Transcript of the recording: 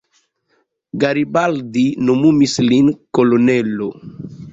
Garibaldi nomumis lin kolonelo.